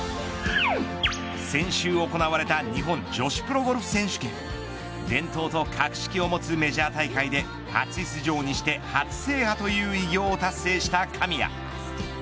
先週行われた日本女子プロゴルフ選手権伝統と格式を持つメジャー大会で初出場にして初制覇するという偉業を達成した神谷。